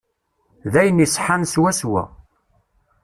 D ayen iṣeḥḥan swaswa.